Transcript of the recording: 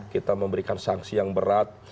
kita memberikan sanksi yang berat